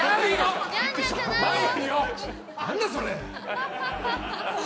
何だ、それ！